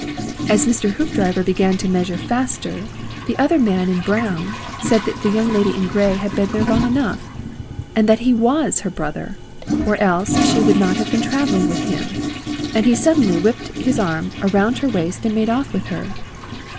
And as Mr. Hoopdriver began to measure faster, the other man in brown said the Young Lady in Grey had been there long enough, and that he WAS her brother, or else she would not be travelling with him, and he suddenly whipped his arm about her waist and made off with her.